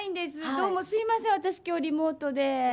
どうもすみません私、今日リモートで。